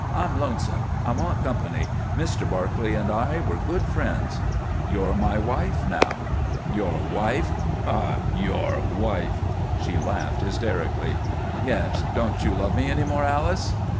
I'm lonesome. I want company. Mr. Barclay and I were good friends." "You're my wife now." "Your wife? Ha! ha! Your wife!" She laughed hysterically. "Yes. Don't you love me any more, Alice?"